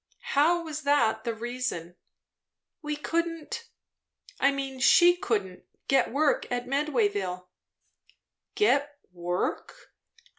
"How was that the reason?" "We couldn't I mean she couldn't, get work at Medwayville." "Get work!"